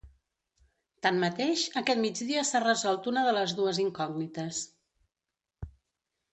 Tanmateix, aquest migdia s’ha resolt una de les dues incògnites.